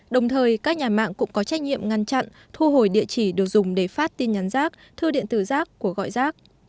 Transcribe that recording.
đồng thời các nhà mạng cũng có trách nhiệm ngăn chặn thu hồi địa chỉ được dùng để phát tin nhắn rác thư điện tử rác của gọi rác